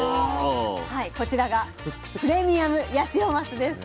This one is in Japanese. こちらがプレミアムヤシオマスです。